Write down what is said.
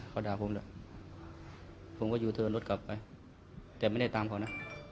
เขาด่าผมแหละผมก็ยูเทิร์นรถกลับไปแต่ไม่ได้ตามเขานะ